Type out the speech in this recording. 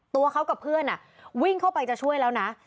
ตัวเขากับเพื่อนวิ่งเข้าไปจะช่วยแล้วนะ